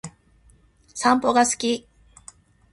散歩が好き